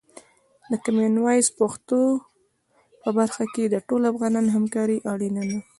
د کامن وایس پښتو په برخه کې د ټولو افغانانو همکاري اړینه ده.